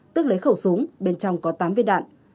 tức lấy khẩu súng bên trong có tám viên đạn